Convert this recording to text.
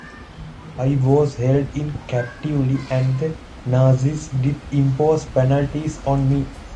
I was held in captivity and the Nazis did impose penalties on me.